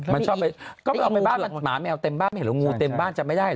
มันชอบไปก็ไม่เอาไปบ้านหมาแมวเต็มบ้านไม่เห็นหรืองูเต็มบ้านจำไม่ได้เห